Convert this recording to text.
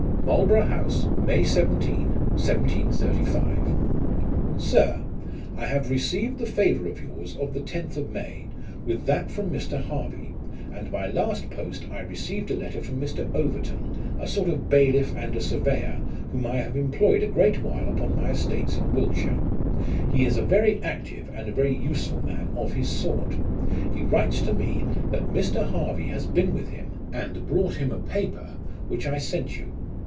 "Marlborough house, May 17, 1735. " Sir, I have received the favour of yours of the 10th of May, with that from Mr. Harvey ; and by last post I received a letter from Mr. Overton, a sort of a bailiff and a surveyor, whom I have employed a great while upon my estates in Wiltshire. He is a very active and very useful man of his sort. He writes to me, that Mr. Harvey has been with him, and brought him a paper, which I sent you.